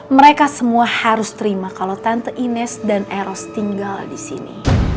mereka semua harus terima kalau tante ines dan eros tinggal di sini